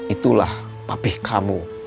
itulah papih kamu